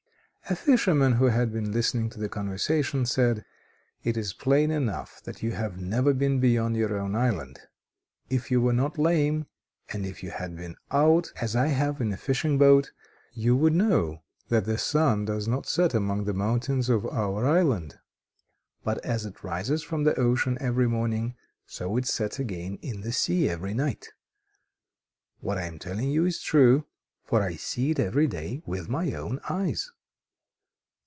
A fisherman, who had been listening to the conversation said: "It is plain enough that you have never been beyond your own island. If you were not lame, and if you had been out as I have in a fishing boat, you would know that the sun does not set among the mountains of our island, but as it rises from the ocean every morning so it sets again in the sea every night. What I am telling you is true, for I see it every day with my own eyes."